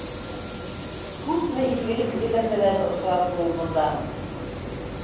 Күпме изгелекле бәндәләрҙе осратты ул бында!